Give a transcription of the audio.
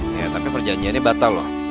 iya tapi perjanjiannya batal loh